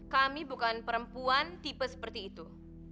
kami bukan perempuan tipe seperti itu